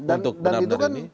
untuk benar benar ini